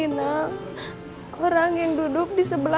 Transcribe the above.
barusan si jopri ke sini